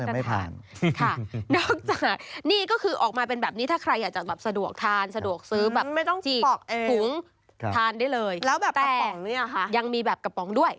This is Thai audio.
แล้วแบบกระป๋องเนี้ยค่ะยังมีแบบกระป๋องด้วย